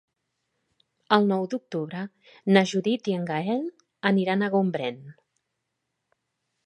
El nou d'octubre na Judit i en Gaël aniran a Gombrèn.